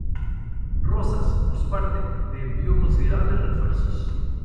Rosas, por su parte, le envió considerables refuerzos.